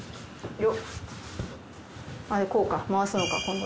よっでこうか回すのか今度。